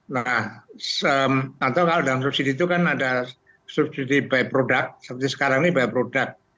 nah atau kalau dalam subsidi itu kan ada subsidi by product seperti sekarang ini by product